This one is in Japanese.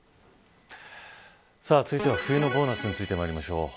続いては、冬のボーナスについてまいりましょう。